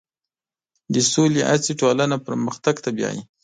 د سولې هڅې ټولنه پرمختګ ته بیایي.